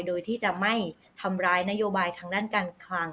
โดยที่จะไม่ทำร้ายนโยบายทางด้านการคลัง